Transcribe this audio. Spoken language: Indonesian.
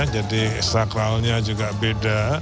jadi sakralnya juga beda